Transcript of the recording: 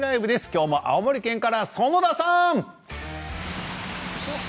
きょうも青森県から園田さん！